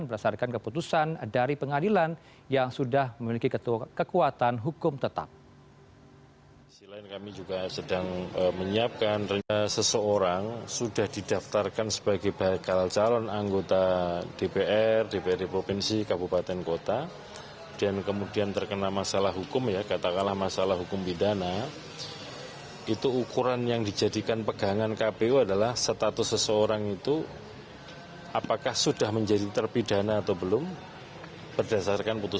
berdasarkan keputusan dari pengadilan yang sudah memiliki kekuatan hukum tetap